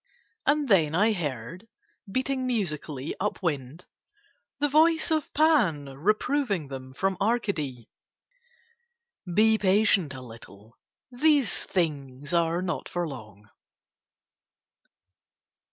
And then I heard, beating musically up wind, the voice of Pan reproving them from Arcady "Be patient a little, these things are not for long."